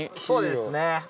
そうですね。